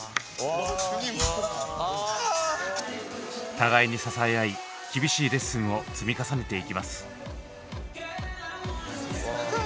互いに支え合い厳しいレッスンを積み重ねていきます。